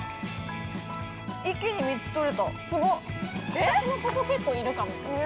◆私も、ここ結構いるかも。